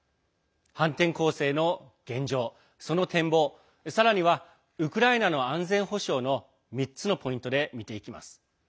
反転攻勢の現状、その展望さらにはウクライナの安全保障の３つのポイントで見ていきます。